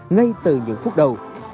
ngay từ những phút đầu